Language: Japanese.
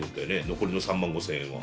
残りの３万５，０００円は。